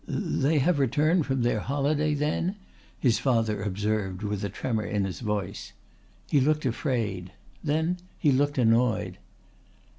"They have returned from their holiday then," his father observed with a tremor in his voice. He looked afraid. Then he looked annoyed.